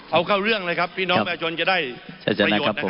เอาเข้าเรื่องเลยครับพี่น้องแม่ชนจะได้ประโยชน์นะครับ